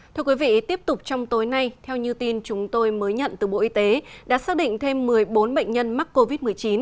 thưa quý vị tiếp tục trong tối nay theo như tin chúng tôi mới nhận từ bộ y tế đã xác định thêm một mươi bốn bệnh nhân mắc covid một mươi chín